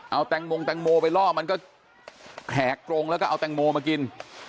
เอาแตงโมงแตงโมไปล่อมันก็แขกกรงแล้วก็เอาแตงโมมากิน